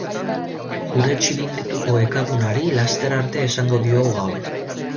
Gure txiringituko ekadunari laster arte esan diogu gaur.